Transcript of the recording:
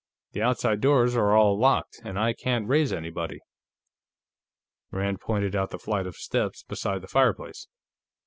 "The outside doors are all locked, and I can't raise anybody." Rand pointed out the flight of steps beside the fireplace.